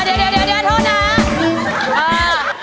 เดี๋ยวโทษนะ